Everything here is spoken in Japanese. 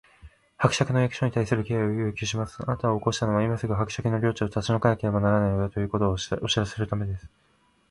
「伯爵の役所に対する敬意を要求します！あなたを起こしたのは、今すぐ伯爵の領地を立ち退かなければならないのだ、ということをお知らせするためです」